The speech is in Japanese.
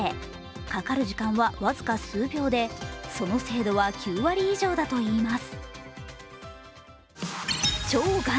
かかる時間は僅か数秒でその精度は９割以上だといいます。